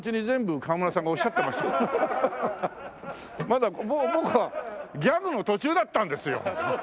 まだ僕はギャグの途中だったんですよ！